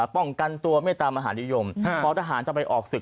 ป้องกันตัวเมตามหานิยมพอทหารจะไปออกศึก